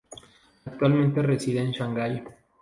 Actualmente reside en Shanghai.